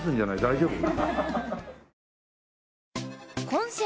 大丈夫？